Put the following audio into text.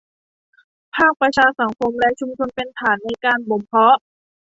ภาคประชาสังคมและชุมชนเป็นฐานในการบ่มเพาะ